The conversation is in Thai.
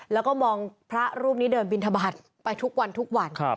แล้วก็มองพระรูปนี้เดินบิณฑบาตไปทุกวัน